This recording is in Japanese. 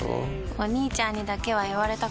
お兄ちゃんにだけは言われたくないし。